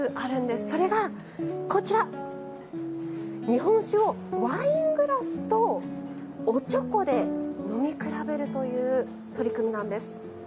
日本酒をワイングラスとおちょこで飲み比べるという取り組みなんです。